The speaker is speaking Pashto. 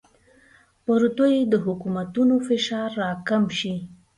پر دوی د حکومتونو فشار راکم شي.